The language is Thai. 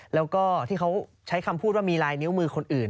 แล้วก็ที่เขาใช้คำพูดว่ามีลายนิ้วมือคนอื่น